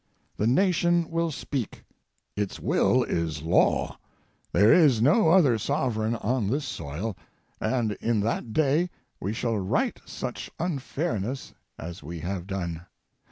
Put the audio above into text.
The nation will speak ; its will is law ; there is no other sovereign on this soil; and in that day we shall right such unfairnesses as we have done.